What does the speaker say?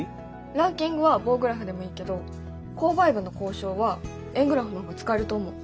ランキングは棒グラフでもいいけど購買部の交渉は円グラフの方が使えると思う。